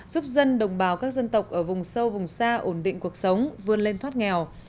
giúp dân đồng bào các dân tộc ở vùng sâu vùng xa ổn định cuộc sống vươn lên thoát nghèo